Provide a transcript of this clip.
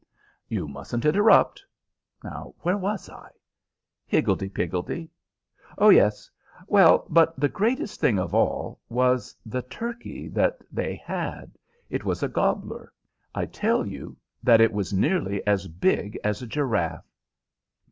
"You mustn't interrupt. Where was I?" "Higgledy piggledy." "Oh yes!" Well, but the greatest thing of all was the turkey that they had. It was a gobbler, I tell you, that was nearly as big as a giraffe.